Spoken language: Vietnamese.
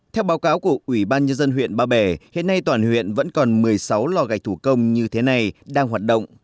theo báo cáo của ủy ban nhân dân huyện ba bể hiện nay toàn huyện vẫn còn một mươi sáu lò gạch thủ công như thế này đang hoạt động